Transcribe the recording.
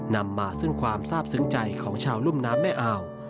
นำมาซึ่งความทราบซึ้งใจของชาวรุ่มน้ำแม่อ่าว